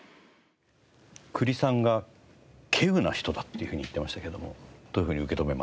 久利さんが稀有な人だっていうふうに言ってましたけどもどういうふうに受け止めますか？